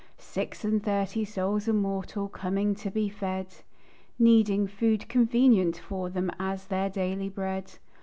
Six and thirty souls immortal, Coming to be fed; Needing "food convenient for them," As their daily bread.